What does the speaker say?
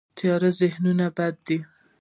تیاره ذهن بد دی.